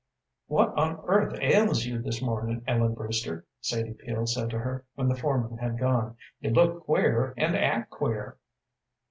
"What on earth ails you this morning, Ellen Brewster?" Sadie Peel said to her, when the foreman had gone. "You look queer and act queer."